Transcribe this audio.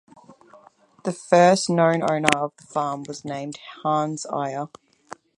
The first known owner of the farm was named Hans Eire.